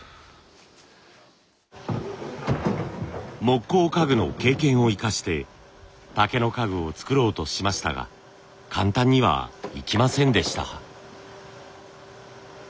木工家具の経験を生かして竹の家具を作ろうとしましたが簡単にはいきませんでした。